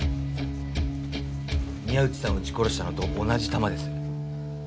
宮内さんを撃ち殺したのと同じ弾です。